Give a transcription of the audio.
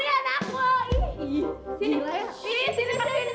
oh lihat lihat aku